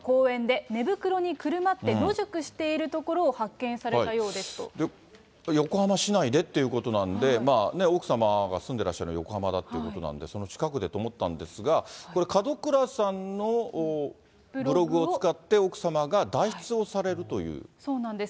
きけば、横浜市内の公園で寝袋にくるまって野宿しているところを発見され横浜市内でっていうことなんで、奥様が住んでらっしゃるの横浜だということなんで、その近くでと思ったんですが、これ、門倉さんのブログを使って、奥様が代そうなんです。